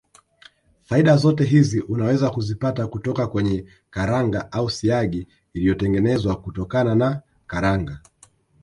Faida zote hizi unaweza kuzipata kutoka kwenye karanga au siagi iliyotengenezwa kutokana na karanga